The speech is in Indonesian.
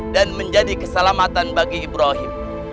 dan menjadi keselamatan bagi ibrahim